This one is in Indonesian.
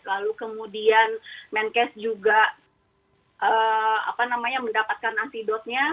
lalu kemudian menkes juga mendapatkan antidotnya